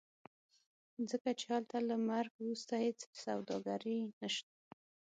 ځکه چې هلته له مرګ وروسته هېڅ سوداګري نشته.